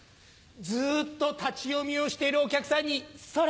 ずっと立ち読みをしているお客さんにそれ！